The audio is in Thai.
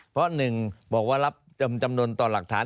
เพราะ๑บอกว่ารับจำนวนต่อหลักฐาน